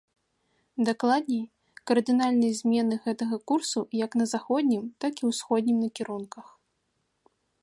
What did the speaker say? Дакладней, кардынальнай змены гэтага курсу як на заходнім, так і ўсходнім накірунках.